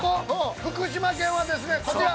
福島県はですね、こちら！